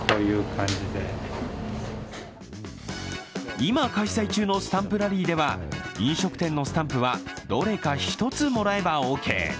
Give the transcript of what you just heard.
今開催中のスタンプラリーでは飲食店のスタンプはどれか１つもらえばオーケー。